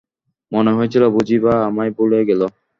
মনে হয়েছিল, বুঝি বা আমায় ভুলে গেলে।